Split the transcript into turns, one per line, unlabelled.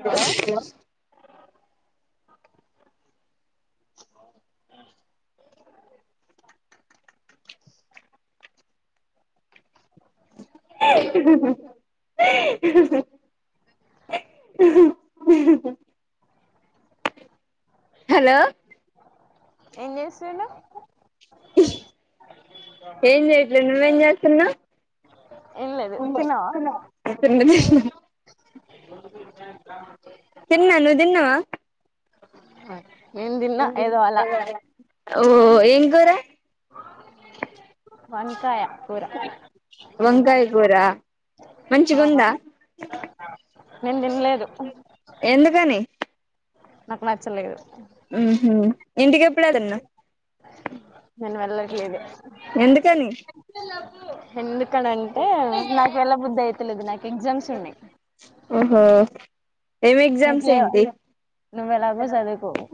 Hello
Navya hello
ఏం చేస్తుండు
ఏం చేయట్లే నువ్వేం చేస్తున్నవ్
ఎం లేదు తిన్నవా
నేన్ తిన్న తిన్నా నువ్వు తిన్నవా నేను తిన్నా [unintelligible] ఓ ఏం కూర
వంకాయ కూర
వంకాయ కూర
ఆహా.
మంచిగుందా
నేన్ తిన్లేదు.
గానీ
నాకు నచ్చలేదు.
మ్ హూ. ఇంటికి ఎప్పుడేల్ తిన్న
నేను వెళ్లట్లేదు.
ఎందుకని
ఎందుకనంటే నాకు ఎల్ల బుద్దయితలేదు నాకు ఎగ్జామ్స్ ఉన్నాయ్.
ఓహో ఏమేగ్జామ్స్
లేవా
ఏంటి.
నువ్వు ఎలాగో చదువుకోవు